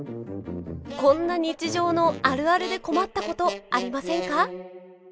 こんな日常のあるあるで困ったことありませんか？